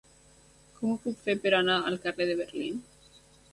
Com ho puc fer per anar al carrer de Berlín?